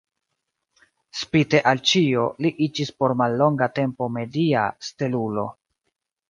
Spite al ĉio, li iĝis por mallonga tempo media stelulo.